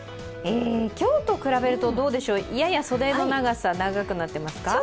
今日と比べると、やや袖の長さ長くなっていますか。